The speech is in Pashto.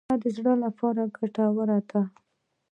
مڼه د زړه لپاره ګټوره ده.